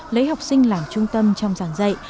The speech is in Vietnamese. lấy học sinh làm trung tâm trong giảng dạy